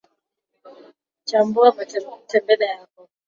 chambua mtembele yako